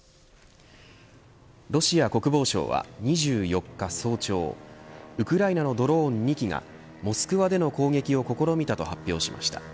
ロシア国防省は２４日早朝ウクライナのドローン２機がモスクワでの攻撃を試みたと発表しました。